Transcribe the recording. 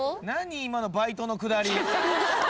何今のバイトのくだり。